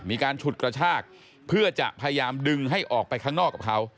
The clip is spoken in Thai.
ฉุดกระชากเพื่อจะพยายามดึงให้ออกไปข้างนอกกับเขา